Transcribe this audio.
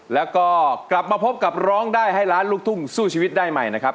แล้วก็กลับมาพบกับร้องได้ให้ล้านลูกทุ่งสู้ชีวิตได้ใหม่นะครับ